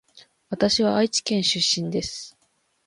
わたしは愛知県出身です